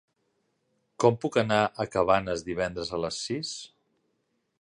Com puc anar a Cabanes divendres a les sis?